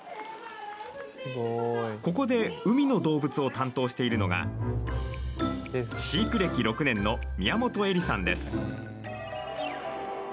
ここで海の動物を担当しているのが飼育歴６年の宮本恵里さんです。